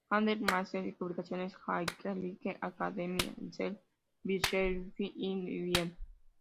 Handel-Mazzetti y publicado en "Kaiserliche Akademie der Wissenschaften in Wien.